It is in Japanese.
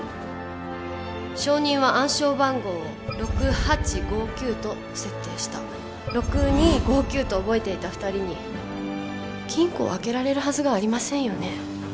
証人は暗証番号を６８５９と設定した６２５９と覚えていた二人に金庫を開けられるはずがありませんよね